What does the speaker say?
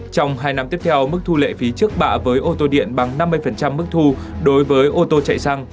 trong hai năm tiếp theo mức thu lệ phí trước bạ với ô tô điện bằng năm mươi mức thu đối với ô tô chạy xăng